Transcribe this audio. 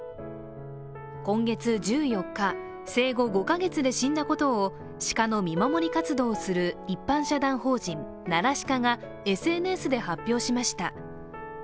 今月１４日、生後５か月で死んだことを鹿の見守り活動をする一般社団法人、ＮＡＲＡＳＨＩＫＡがＳＮＳで発表しました。